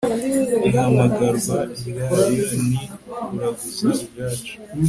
ihamagarwa ryayo ni kuraguza ubwacu